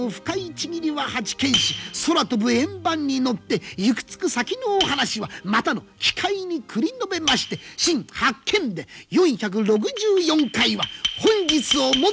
空飛ぶ円盤に乗って行き着く先のお話はまたの機会に繰り延べまして「新八犬伝４６４回」は本日をもって全巻の終わり。